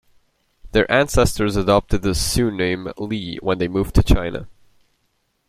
Their ancestors adopted the suname Li when they moved to China.